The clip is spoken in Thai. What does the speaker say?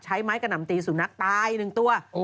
ใช้ไม้กระหน่ำตีสูบนักตาย๑ตัว